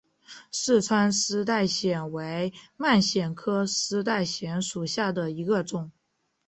四川丝带藓为蔓藓科丝带藓属下的一个种。